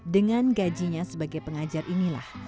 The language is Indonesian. dengan gajinya sebagai pengajar inilah